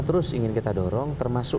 terus ingin kita dorong termasuk